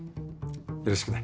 よろしくね。